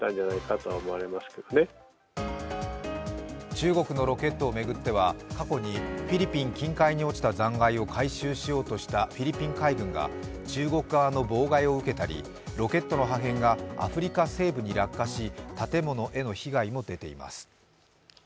中国のロケットを巡っては、過去にフィリピン近海に落ちた残骸を回収しようとしたフィリピン海軍が中国側の妨害を受けたり、ロケットの破片がアフリカ西部に落下し、建物への被害も出ています。